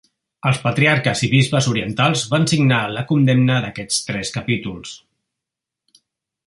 Els patriarques i bisbes orientals van signar la condemna d'aquests tres capítols.